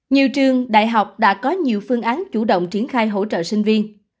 nhiều trường đại học đã có nhiều phương án chủ động triển khai hỗ trợ sinh viên